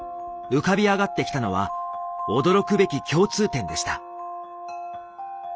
浮かび上がってきたのは驚くべき共通点でした。